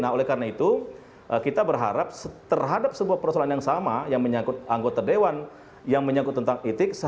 nah oleh karena itu kita berharap terhadap sebuah persoalan yang sama yang menyangkut anggota dewan yang menyangkut tentang etik